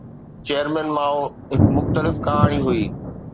Chairman Mao هڪ مختلف ڪهاڻي هئي.